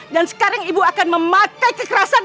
dan sekarang ibu akan memakai kekerasan